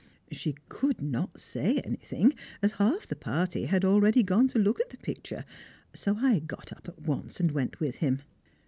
She could not say anything, as half the party had already gone to look at the picture, so I got up at once and went with him.